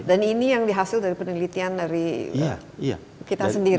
dan ini yang dihasil dari penelitian dari kita sendiri